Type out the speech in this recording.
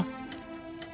aku tidak berpikir